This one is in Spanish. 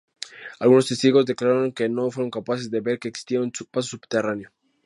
Algunos testigos declararon que no fueron capaces de ver que existía un paso subterráneo.